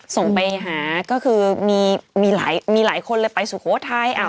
ส่งไปหาก็คือมีหลายคนเลยไปสุโขทัย